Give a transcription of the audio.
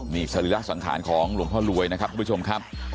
นี่สรีระสังขารของหลวงพ่อรวยนะครับทุกผู้ชมครับ